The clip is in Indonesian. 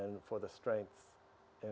dan untuk kekuatan